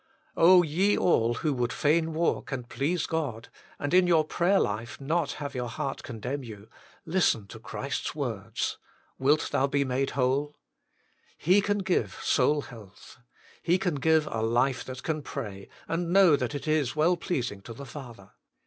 ye all who would fain walk and please God, and in your prayer life not have your heart condemn you, listen to Christ s words :" Wilt thou be made whole ?" He can give soul health. He can give a life that can pray, and know that it is well pleasing to the Father.